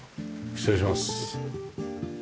失礼します。